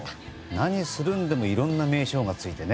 何するでもいろんな名称がついてね。